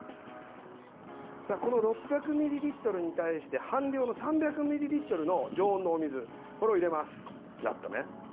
６００ミリリットルに対して半量の３００ミリリットルの常温のお水、これを入れます。